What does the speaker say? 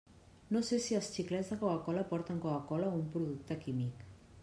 No sé si els xiclets de Coca-cola porten Coca-cola o un producte químic.